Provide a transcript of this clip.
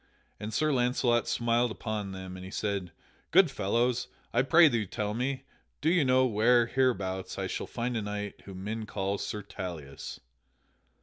And Sir Launcelot smiled upon them, and he said: "Good fellows, I pray you tell me; do you know where, hereabouts, I shall find a knight whom men call Sir Tauleas?"